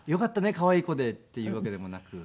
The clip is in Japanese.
可愛い子でっていうわけでもなく。